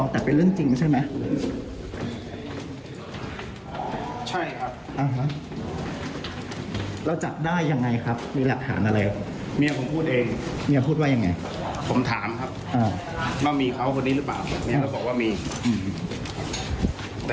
แต่ประเด็นนั้นไม่ใช่ประเด็นหลักครับ